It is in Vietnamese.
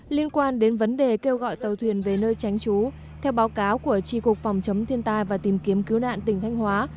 liên quan đến vấn đề kêu gọi tàu thuyền về nơi tránh trú theo báo cáo của tri cục phòng chống thiên tai và tìm kiếm cứu nạn tỉnh thanh hóa